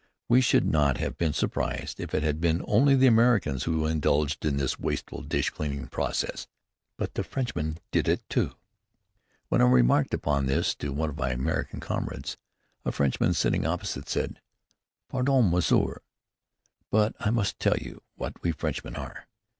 We should not have been surprised if it had been only the Americans who indulged in this wasteful dish cleansing process; but the Frenchmen did it, too. When I remarked upon this to one of my American comrades, a Frenchman, sitting opposite, said: "Pardon, monsieur, but I must tell you what we Frenchmen are.